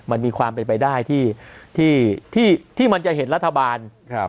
มันมีความเป็นไปได้ที่ที่ที่ที่มันจะเห็นรัฐบาลครับ